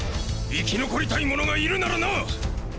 生き残りたい者がいるならな！！